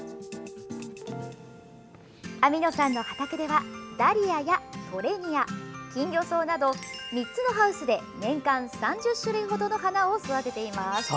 網野さんの畑では、ダリアやトレニア、キンギョソウなど３つのハウスで年間３０種類程の花を育てています。